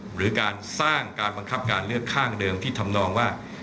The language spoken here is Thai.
หรือการสร้างการบังคับการเลือกข้างเดิมที่ทำนองว่า